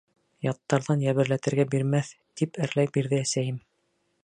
Яттарҙан йәберләтергә бирмәҫ, — тип әрләй бирҙе әсәйем.